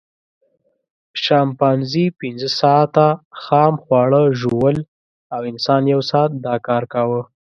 شامپانزي پینځه ساعته خام خواړه ژوول او انسان یو ساعت دا کار کاوه.